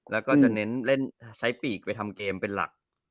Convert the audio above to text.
แล้วก็จะเน้นเล่นใช้ปีกไปทำเกมเป็นหลัก